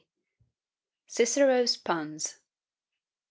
CICERO'S PUNS.